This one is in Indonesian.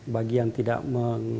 bagi yang tidak berpengalaman